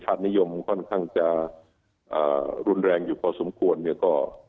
จึงค่อนข้างจะสารภาพความโลกาวเลิฟแป๊ง